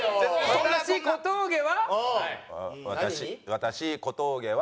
私小峠は。